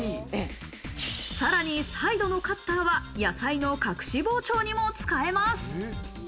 さらにサイドのカッターは野菜の隠し包丁にも使えます。